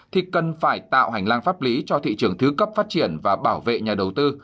thì cần phải tạo hành lang pháp lý cho thị trường thứ cấp phát triển và bảo vệ nhà đầu tư